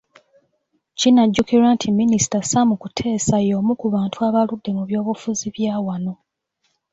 Kinajjukirwa nti Minisita Sam Kuteesa y'omu ku bantu abaludde mu byobufuzi bya wano.